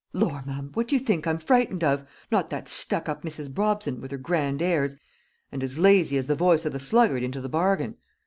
"Lor, ma'am, what do you think I'm frightened of? Not that stuck up Mrs. Brobson, with her grand airs, and as lazy as the voice of the sluggard into the bargain.